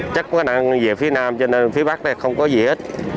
chắc có khả năng về phía nam cho nên phía bắc này không có gì hết